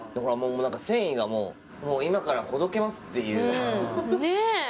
繊維がもう今からほどけますっていうねえ